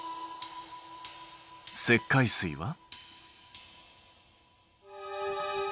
石灰水は？